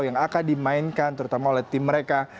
yang akan dimainkan terutama oleh tim mereka